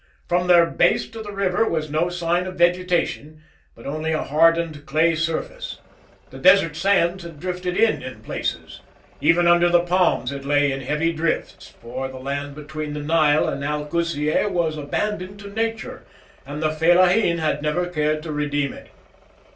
From their base to the river was no sign of vegetation, but only a hardened clay surface. The desert sands had drifted in in places. Even under the palms it lay in heavy drifts, for the land between the Nile and Al Kusiyeh was abandoned to nature, and the fellaheen had never cared to redeem it.